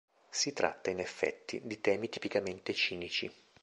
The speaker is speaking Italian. Si tratta, in effetti, di temi tipicamente cinici.